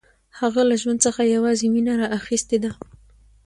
هغه له ژوند څخه یوازې مینه راخیستې ده